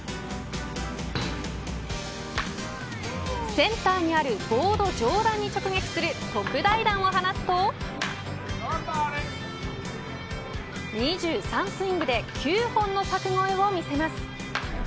センターにあるボード上段に直撃する特大弾を放つと２３スイングで９本の柵越えを見せます。